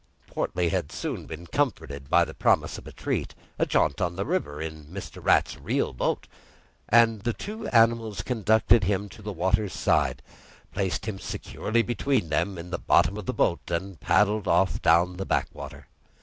Portly had soon been comforted by the promise of a treat—a jaunt on the river in Mr. Rat's real boat; and the two animals conducted him to the water's side, placed him securely between them in the bottom of the boat, and paddled off down the backwater.